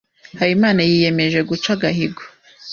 Habimana yiyemeje guca agahigo